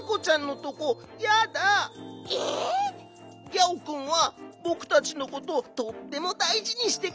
ギャオくんはぼくたちのこととってもだいじにしてくれるんだ。